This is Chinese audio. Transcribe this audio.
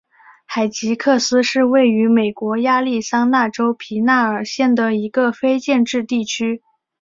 海吉克斯是位于美国亚利桑那州皮纳尔县的一个非建制地区。